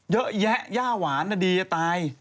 เยอะแยะย่าหวานดีจะตาย